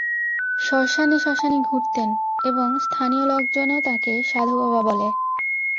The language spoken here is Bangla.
শ্মশানে-শ্মশানে ঘুরতেন, এবং স্থানীয় লোকজনও তাঁকে সাধুবাবা বলে।